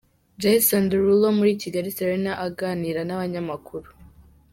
Jason Derulo muri Kigali Serena Hotel, aganira n'abanyamakuru.